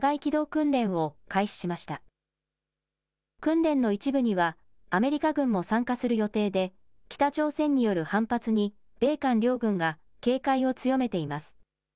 訓練の一部には、アメリカ軍も参加する予定で、北朝鮮による反発に、米韓両軍が警戒を強めています。